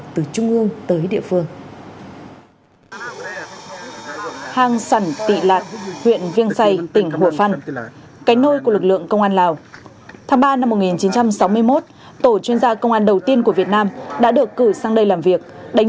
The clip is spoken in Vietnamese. tháng ba năm một nghìn chín trăm sáu mươi một tổ chuyên gia công an đầu tiên của việt nam đã được cử sang đây làm việc